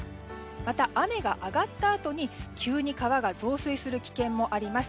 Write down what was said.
また、雨が上がったあとに急に川が増水する危険もあります。